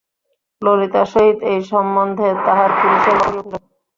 ললিতার সহিত এই সম্বন্ধে তাহার পুরুষের বক্ষ ভরিয়া উঠিল।